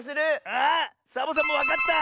あサボさんもわかった！